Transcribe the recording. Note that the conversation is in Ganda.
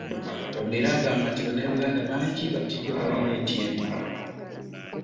Ono era agamba nti Bannayuganda bangi battiddwa gavumenti eno